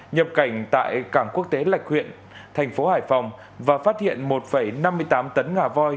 nhập cảnh tại cảng quốc tế lạch huyện thành phố hải phòng và phát hiện một năm mươi tám tấn ngà voi